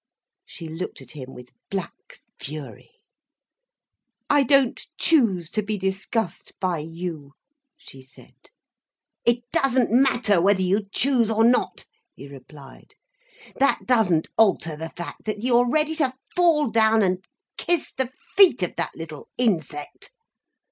She looked at him with black fury. "I don't choose to be discussed by you," she said. "It doesn't matter whether you choose or not," he replied, "that doesn't alter the fact that you are ready to fall down and kiss the feet of that little insect.